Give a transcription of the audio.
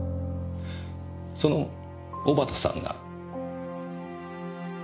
その小幡さんが。